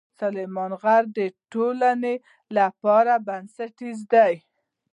سلیمان غر د ټولنې لپاره بنسټیز دی.